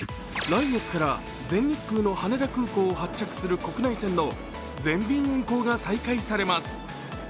来月から全日空の羽田空港を発着する国内線の全便運航が再開されます。